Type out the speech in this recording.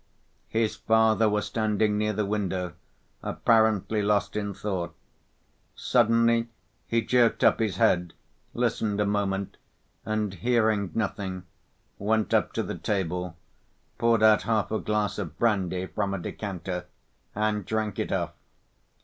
His father was standing near the window, apparently lost in thought. Suddenly he jerked up his head, listened a moment, and hearing nothing went up to the table, poured out half a glass of brandy from a decanter and drank it off.